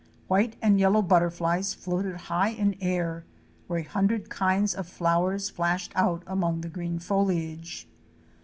White and yellow butterflies floated high in air, where a hundred kinds of flowers flashed out among the green foliage.